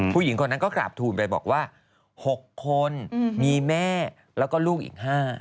ผู้หญิงคนนั้นก็กราบทูลไปบอกว่า๖คนมีแม่แล้วก็ลูกอีก๕